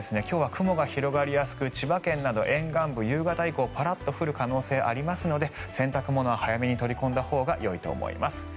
今日は雲が広がりやすく千葉県など沿岸部、夕方以降パラッと降る可能性がありますので洗濯物は早めに取り込んだほうがいいと思います。